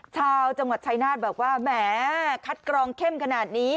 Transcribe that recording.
ชาวจังหวัดชายนาฏบอกว่าแหมคัดกรองเข้มขนาดนี้